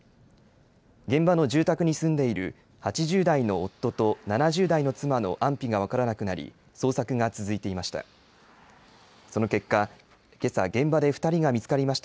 現場の住宅に住んでいる８０代の夫と７０代の妻の安否が分からなくなり、捜索が続いていました。